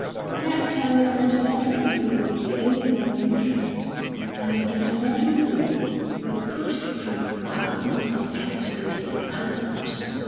In that time the sentimental view will be the only one of interest; and the sentimental view will put the Transvaal in the same category as Poland."